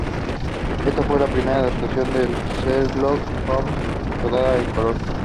Ésta fue la primera adaptación de Sherlock Holmes rodada en color.